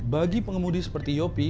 bagi pengemudi seperti yopi